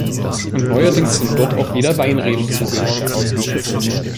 Und neuerdings sind dort auch wieder Weinreben zu sehen.